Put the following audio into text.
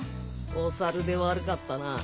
おサルで悪かったな。